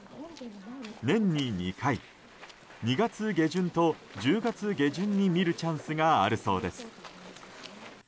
年に２回２月下旬と１０月下旬に見るチャンスがあるそうです。